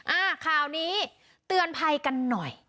อ่าข่าวนี้เตือนภัยกันหน่อย